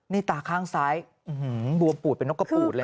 ในตาข้างซ้ายอื้อหือบัวปูดเป็นนกกระปูดเลย